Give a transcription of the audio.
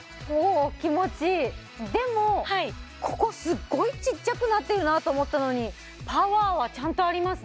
でもここすっごいちっちゃくなってるなと思ったのにパワーはちゃんとあります